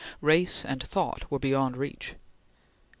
Race and thought were beyond reach.